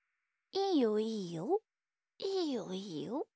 いいよいいよ。